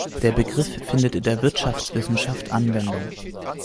Der Begriff findet in der Wirtschaftswissenschaft Anwendung.